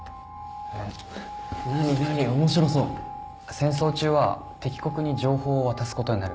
戦争中は敵国に情報を渡すことになる。